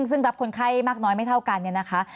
ซึ่งรับคนไข้มากน้อยไม่เท่ากันเนี่ยนะคะ